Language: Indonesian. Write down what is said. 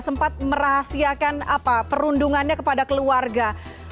sempat merahasiakan perundungannya kepada keluarga